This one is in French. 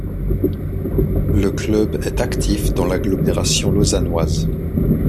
Le club est actif dans l'agglomération lausannoise.